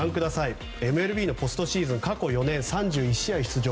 ＭＬＢポストシーズン過去４年３１試合出場。